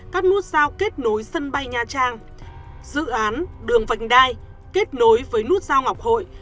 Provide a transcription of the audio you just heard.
các nút giao kết nối sân bay nha trang dự án đường vành đai kết nối với nút giao ngọc hội